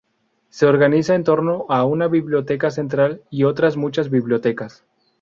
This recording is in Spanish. Se organiza en torno a una biblioteca central y otras muchas bibliotecas.